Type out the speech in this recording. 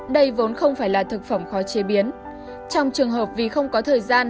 đây là nơi làm ra hàng trăm chiếc kèm mỗi ngày